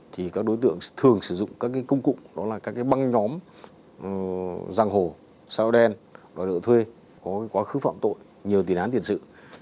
thì các đối tượng thường sử dụng các công cụ đó là các cái băng nhóm giang hồ sao đen đòi nợ thuê có quá khứ phạm tội nhiều tiền án tiền sự